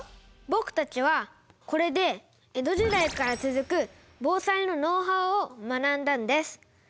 僕たちはこれで江戸時代から続く防災のノウハウを学んだんです。